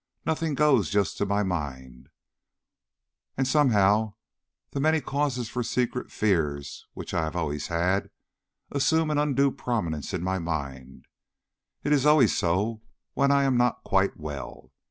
Nothing goes just to my mind, and somehow the many causes for secret fear which I have always had, assume an undue prominence in my mind. It is always so when I am not quite well.